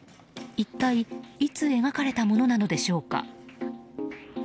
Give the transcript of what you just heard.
一体いつ描かれたものなのでしょうか。